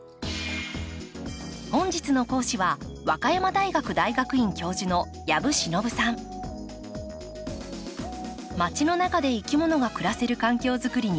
本日の講師は和歌山大学大学院教授のまちの中でいきものが暮らせる環境作りに取り組んで４０年。